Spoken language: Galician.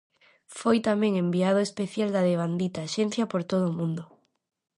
Foi tamén enviado especial da devandita axencia por todo o mundo.